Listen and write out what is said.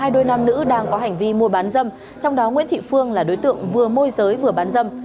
hai đôi nam nữ đang có hành vi mua bán dâm trong đó nguyễn thị phương là đối tượng vừa môi giới vừa bán dâm